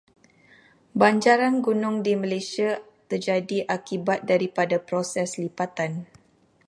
Banjaran gunung di Malaysia terjadi akibat daripada proses lipatan.